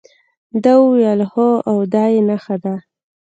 ده وویل هو او دا یې نخښه ده.